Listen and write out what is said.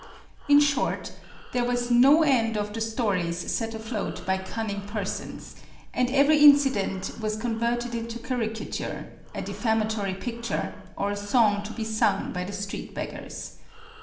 In short, there was no end of the stories set afloat by cunning persons, and every incident was converted into caricature, a de famatory picture, or a song to be sung by the street beggars.